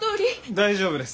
大丈夫です。